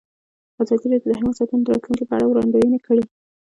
ازادي راډیو د حیوان ساتنه د راتلونکې په اړه وړاندوینې کړې.